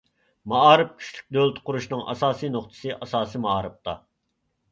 مائارىپ كۈچلۈك دۆلىتى قۇرۇشنىڭ ئاساسىي نۇقتىسى ئاساسىي مائارىپتا.